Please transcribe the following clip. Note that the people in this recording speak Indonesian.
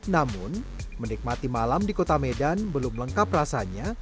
namun menikmati malam di kota medan belum lengkap rasanya